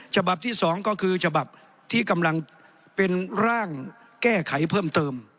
ฉบับที่๒ก็คือฉบับที่กำลังเป็นร่างแก้ไขเพิ่มเติม